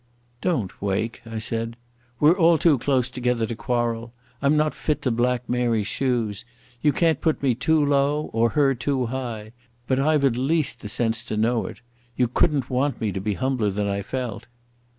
"Don't, Wake," I said. "We're all too close together to quarrel. I'm not fit to black Mary's shoes. You can't put me too low or her too high. But I've at least the sense to know it. You couldn't want me to be humbler than I felt."